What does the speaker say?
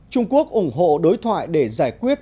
trung quốc ủng hộ đối thoại để giải quyết